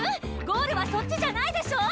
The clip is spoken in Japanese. ゴールはそっちじゃないでしょ！